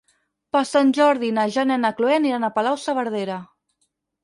Per Sant Jordi na Jana i na Chloé aniran a Palau-saverdera.